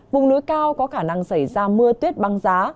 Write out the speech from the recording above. vùng núi cao có khả năng xảy ra mưa tuyết băng giá